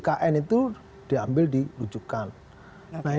karena kita harus mengambil kepentingan kesehatan